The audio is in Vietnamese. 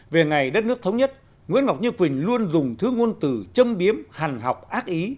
về ngày đất nước thống nhất nguyễn ngọc như quỳnh luôn dùng thứ ngôn từ châm biếm hàn học ác ý